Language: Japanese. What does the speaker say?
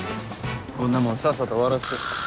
こんなもんさっさと終わらして。